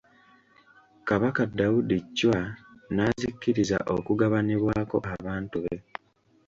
Kabaka Daudi Chwa n'azikkiriza okugabanibwako abantu be.